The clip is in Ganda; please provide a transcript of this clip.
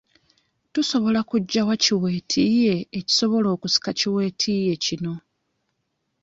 Tusobola kuggya wa ki weetiiye ekisobola okusika ki weetiiye kino?